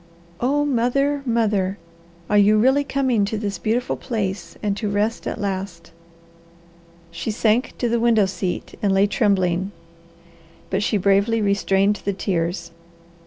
Oh mother, mother! Are you really coming to this beautiful place and to rest at last?" She sank to the window seat and lay trembling, but she bravely restrained the tears.